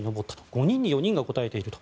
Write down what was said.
５人に４人が答えていると。